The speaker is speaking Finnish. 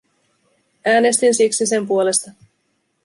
Äänestin siksi sen puolesta.